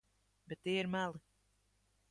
Bet tie ir meli.